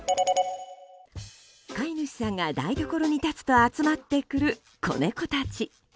飼い主さんが台所に立つと集まってくる子猫たち。